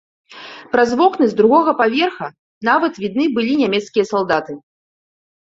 Праз вокны з другога паверха нават відны былі нямецкія салдаты.